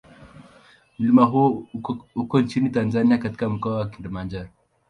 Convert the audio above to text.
Mlima huo uko nchini Tanzania katika Mkoa wa Kilimanjaro.